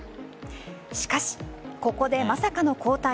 しかし、ここでまさかの交代。